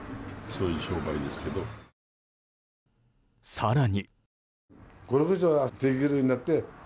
更に。